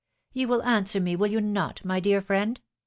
— You will answer me, will you not, my dear friend?